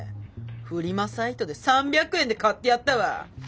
フリマサイトで３００円で買ってやったわ。